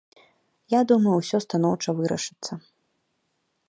Я думаю, усё станоўча вырашыцца.